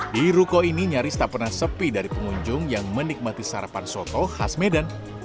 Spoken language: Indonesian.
di ruko ini nyaris tak pernah sepi dari pengunjung yang menikmati sarapan soto khas medan